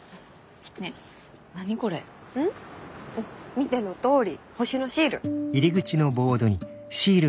見てのとおり星のシール。